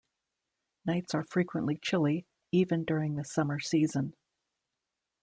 Nights are frequently chilly, even during the summer season.